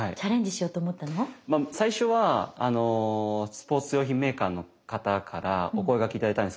最初はスポーツ用品メーカーの方からお声がけ頂いたんです。